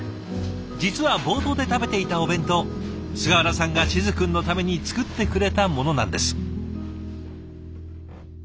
実は冒頭で食べていたお弁当菅原さんが静くんのために作ってくれたものなんです。